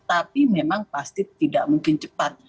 tapi memang pasti tidak mungkin cepat